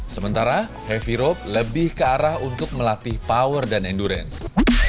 sementara heavy rope lebih ke arah untuk melatih power dan endurance